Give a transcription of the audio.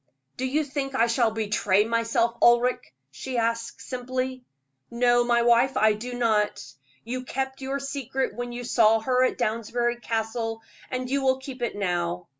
"Do you think I shall betray myself, Ulric?" she asked, simply. "No, my wife, I do not. You kept your secret when you saw her at Downsbury Castle, and you will keep it now.